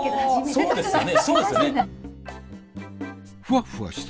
そうですよね。